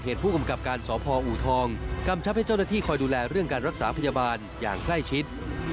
ผู้กำกับการสพอูทองกำชับให้เจ้าหน้าที่คอยดูแลเรื่องการรักษาพยาบาลอย่างใกล้ชิด